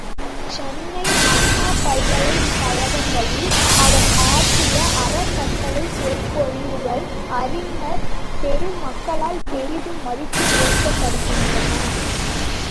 சென்னை, அண்ணாமலைப் பல்கலைக் கழகங்களில் அவர் ஆற்றிய அறக் கட்டளைச் சொற்பொழிவுகள் அறிஞர் பெருமக்களால் பெரிதும் மதித்துப் போற்றப்படுகின்றன.